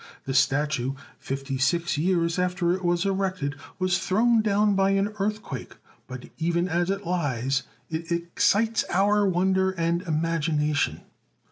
The statue, fifty six years after it was erected, was thrown down by an earthquake, but even as it lies, it excites our wonder and imagina tion.